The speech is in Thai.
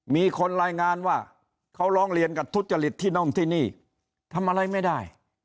มีคนรายงานว่าเขาร้องเรียนกับทุจริตที่น่อมที่นี่ทำอะไรไม่ได้